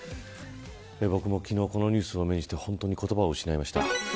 僕も昨日このニュースを目にして本当に言葉を失いました。